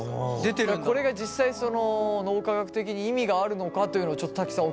これが実際脳科学的に意味があるのかというのをちょっと瀧さん